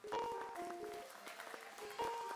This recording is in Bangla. ওকে বোন বলে ডাকতে যাবি না, না হলে তোর পা ভেঙ্গে দিব।